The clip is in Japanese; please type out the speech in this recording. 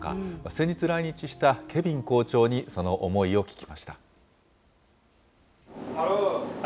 先日来日したケヴィン校長にその思いを聞きました。